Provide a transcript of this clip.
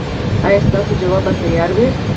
ایا ستاسو ځواب به تیار وي؟